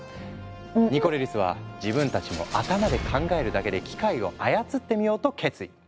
ニコレリスは自分たちも頭で考えるだけで機械を操ってみようと決意。